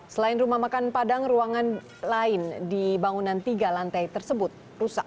selain rumah makan padang ruangan lain di bangunan tiga lantai tersebut rusak